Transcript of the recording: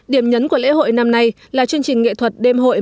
điểm nhấn của lễ hội năm nay là chương trình nghệ thuật đêm hội